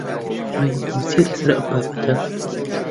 ڕای ئێوە چییە لەسەر ئەم بابەتە؟